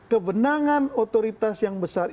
kebenangan otoritas yang besar